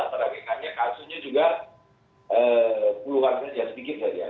peragakan kasusnya juga keluar sedikit saja